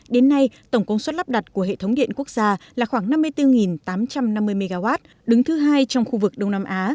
đến nay tổng công suất lắp đặt của hệ thống điện quốc gia là khoảng năm mươi bốn tám trăm năm mươi mw đứng thứ hai trong khu vực đông nam á